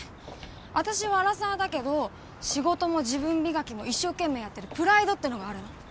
私はアラサーだけど仕事も自分磨きも一生懸命やってるプライドってのがあるの。